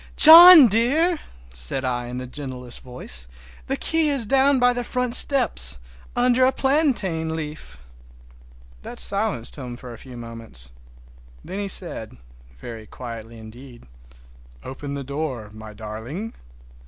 "John dear!" said I in the gentlest voice, "the key is down by the front steps, under a plantain leaf!" That silenced him for a few moments. Then he said—very quietly indeed, "Open the door, my darling!"